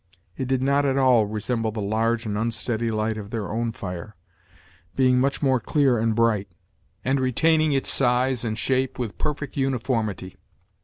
It did not at all resemble the large and unsteady light of their own fire, being much more clear and bright, and retaining its size and shape with perfect uniformity.